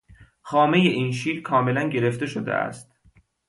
خامهی این شیر کاملا گرفته شده است.